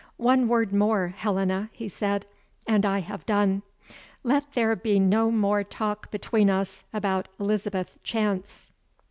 "One word more, Helena," he said, "and I have done. Let there be no more talk between us about Elizabeth Chance."